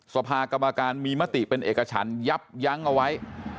สภากรรมการมีมติเป็นเอกฉันยับยั้งเอาไว้